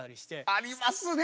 ありますね！